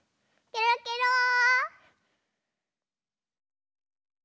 ケロケロー！